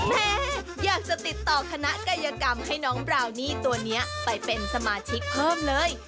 แม่อยากจะติดต่อคณะกายกรรมให้น้องบราวนี่ตัวนี้ไปเป็นสมาชิกเพิ่มเลย